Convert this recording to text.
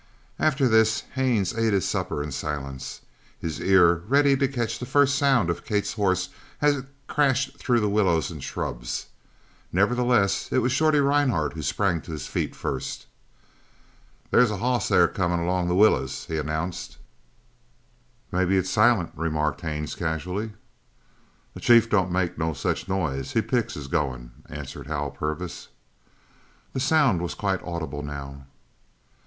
After this Haines ate his supper in silence, his ear ready to catch the first sound of Kate's horse as it crashed through the willows and shrubs. Nevertheless it was Shorty Rhinehart who sprang to his feet first. "They's a hoss there comin' among the willows!" he announced. "Maybe it's Silent," remarked Haines casually. "The chief don't make no such a noise. He picks his goin'," answered Hal Purvis. The sound was quite audible now.